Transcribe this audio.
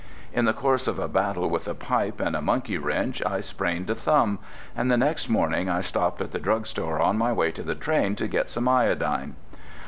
In the course of a battle with a pipe and a monkey wrench I sprained a thumb, and the next morning I stopped at the drugstore on my way to the train to get some iodine.